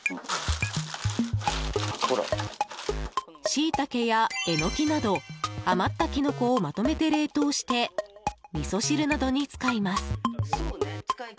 シイタケやエノキなど余ったキノコをまとめて冷凍してみそ汁などに使います。